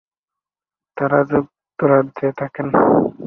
তারা যুক্তরাজ্যে থাকেন।